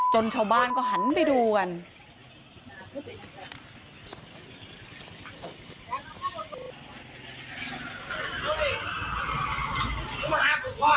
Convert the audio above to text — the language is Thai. ชาวบ้านก็หันไปดูกัน